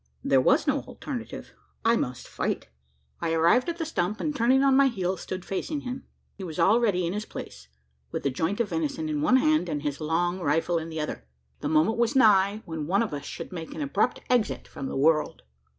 There was no alternative I must fight! I arrived at the stump; and turning on my heel, stood facing him. He was already in his place with the joint of venison in one hand, and his long rifle in the other. The moment was nigh, when one of us should make an abrupt exit from the world!